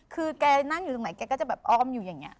คือแกนั่งอยู่ตรงไหนแกก็จะแบบอ้อมอยู่อย่างนี้